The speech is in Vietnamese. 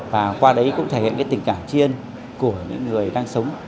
và qua đấy cũng thể hiện tình cảm chiên của những người đang sống